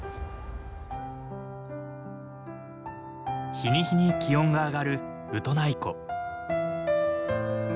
日に日に気温が上がるウトナイ湖。